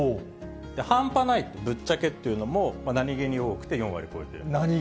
半端ないとぶっちゃけっていうのも、なにげに多くて、４割超えてる。